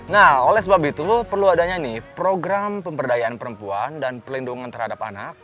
nah oleh sebab itu perlu adanya nih program pemberdayaan perempuan dan pelindungan terhadap anak